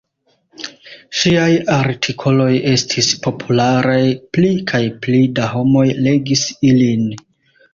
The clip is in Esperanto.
Ŝiaj artikoloj estis popularaj, pli kaj pli da homoj legis ilin.